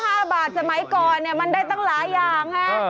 เออ๕บาทสมัยก่อนมันได้ตั้งหลายอย่าง